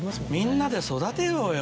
みんなで育てようよ！